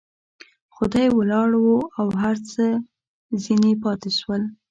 خو دى ولاړ او هر څه ځنې پاته سول.